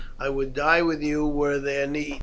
I would die with you were there need.